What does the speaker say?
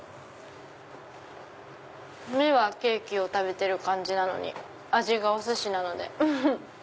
目はケーキを食べてる感じなのに味がお寿司なので。